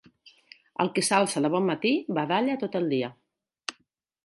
El qui s'alça de bon matí, badalla tot el dia.